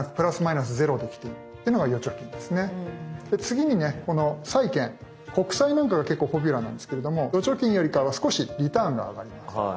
で次にねこの債券国債なんかが結構ポピュラーなんですけれども預貯金よりかは少しリターンが上がります。